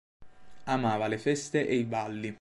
Amava le feste e i balli.